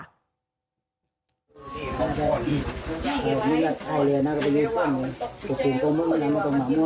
โรคได้เก็บไม่ดีดูอย่างนี้จะตามโคยมานะ